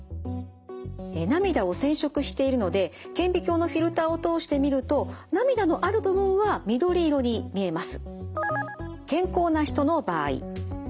涙を染色しているので顕微鏡のフィルターを通して見ると涙のある部分は緑色に見えます。